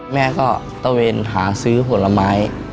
แม่ก็ตะเวนหาซื้อผลไม้